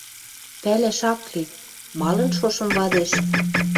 Пӓлӓш ак ли, малын шошым вадеш